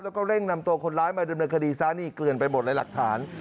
แล้วก็เร่งนำตัวคนร้ายดูแลคดีซ้านี่เกลือนไปหมดแล้วหลักฐาน